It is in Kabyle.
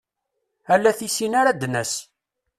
Ala tissin ara d-nas.